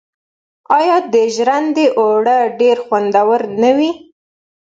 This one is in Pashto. آیا د ژرندې اوړه ډیر خوندور نه وي؟